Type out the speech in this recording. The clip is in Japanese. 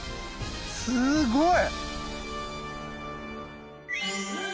すごい！